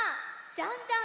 「じゃんじゃん！